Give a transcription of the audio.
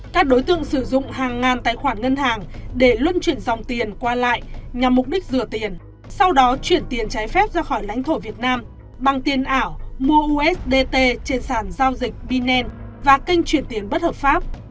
các đối tượng sử dụng hàng ngàn tài khoản ngân hàng để luân chuyển dòng tiền qua lại nhằm mục đích rửa tiền sau đó chuyển tiền trái phép ra khỏi lãnh thổ việt nam bằng tiền ảo mua ustt trên sàn giao dịch vn và kênh chuyển tiền bất hợp pháp